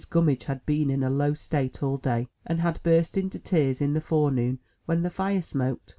Gummidge had been in a low state all day, and had burst into tears in the forenoon, when the fire smoked.